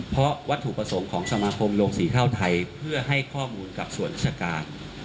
เพราะวัตถุประสงค์ของสมาคมโรงสีข้าวไทยเพื่อให้ข้อมูลกับส่วนราชการ